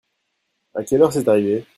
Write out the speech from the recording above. À quelle heure c'est arrivé ?